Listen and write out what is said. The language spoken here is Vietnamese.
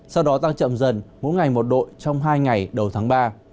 sau đó tăng chậm dần mỗi ngày một độ trong hai ngày đầu tháng ba